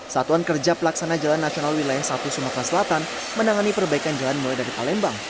satuan kerja pelaksana jalan nasional wilayah satu sumatera selatan menangani perbaikan jalan mulai dari palembang